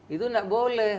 itu gak boleh